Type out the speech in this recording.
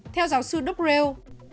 theo giáo sư drill